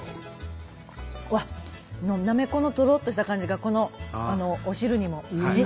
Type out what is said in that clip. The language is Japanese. うわっナメコのとろっとした感じがこのお汁にも。